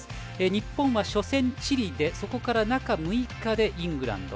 日本は初戦、チリでそこから中６日ででイングランド。